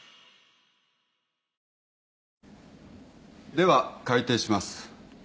では開廷します。